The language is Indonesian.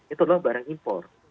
itu adalah barang impor